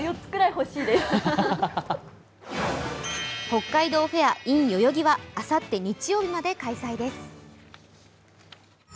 北海道フェアｉｎ代々木はあさって日曜日まで開催です。